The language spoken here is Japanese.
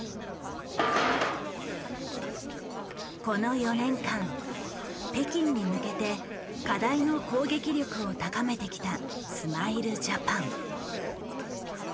この４年間北京に向けて課題の攻撃力を高めてきたスマイルジャパン。